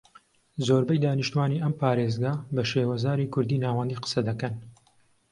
زۆربەی دانیشتوانی ئەم پارێزگا بە شێوەزاری کوردیی ناوەندی قسە دەکەن